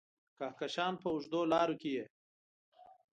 د کهکشان په اوږدو لارو کې یې